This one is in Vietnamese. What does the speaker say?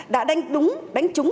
đã đánh đúng đánh trúng